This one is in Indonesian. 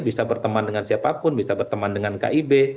bisa berteman dengan siapapun bisa berteman dengan kib